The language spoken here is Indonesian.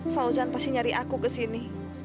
fauzan pasti nyari aku ke sini